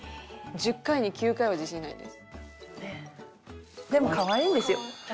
１０回に９回は自信ないです。